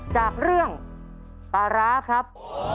จากเรื่องปลาร้าครับ